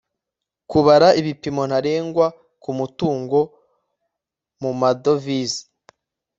kubara ibipimo ntarengwa ku mutungo mu madovize